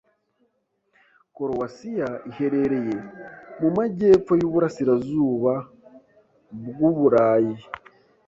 Korowasiya iherereye mu majyepfo y'uburasirazuba bw'Uburayi.